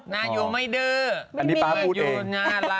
นายูไม่ดื้ออันนี้ป๊าพูดเองน่ารัก